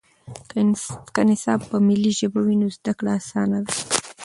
که نصاب په ملي ژبه وي نو زده کړه اسانه ده.